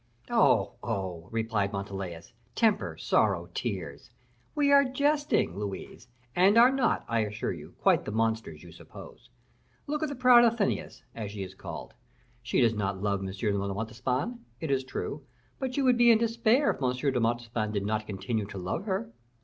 "Oh! oh!" replied Montalais, "temper, sorrow, tears; we are jesting, Louise, and are not, I assure you, quite the monsters you suppose. Look at the proud Athenais, as she is called; she does not love M. de Montespan, it is true, but she would be in despair if M. de Montespan did not continue to love her.